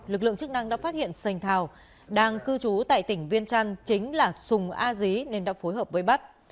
lực lượng chức năng đã phát hiện sành thào đang cư trú tại tỉnh viên trăn chính là sùng a dí nên đã phối hợp với bắt